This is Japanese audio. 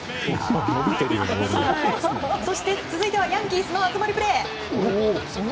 そして、続いてはヤンキースの熱盛プレー！